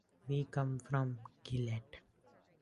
We come from Gilet.